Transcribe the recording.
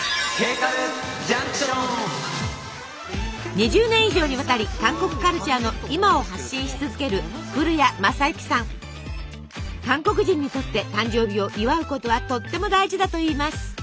２０年以上にわたり韓国カルチャーの今を発信し続ける韓国人にとって誕生日を祝うことはとっても大事だといいます。